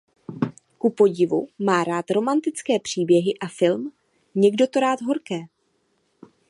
Kupodivu má rád romantické příběhy a film "Někdo to rád horké".